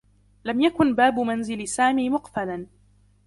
لم يكن باب منزل سامي مقفلا.